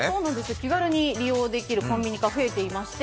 気軽に利用できるコンビニ化が増えていまして。